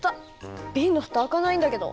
瓶の蓋開かないんだけど。